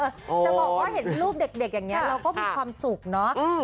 จะบอกว่าเห็นรูปเด็กอย่างนี้เราก็มีความสุขเนอะ